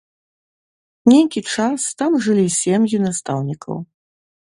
Нейкі час там жылі сем'і настаўнікаў.